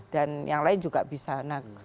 dan yang lain juga bisa